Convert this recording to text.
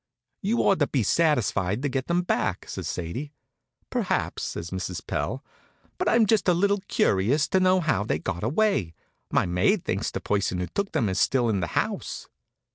"You ought to be satisfied to get them back," says Sadie. "Perhaps," says Mrs. Pell; "but I'm just a little curious to know how they got away. My maid thinks the person who took them is still in the house."